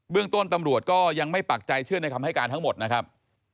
ต้นตำรวจก็ยังไม่ปักใจเชื่อในคำให้การทั้งหมดนะครับ